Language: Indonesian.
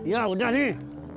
ya udah nih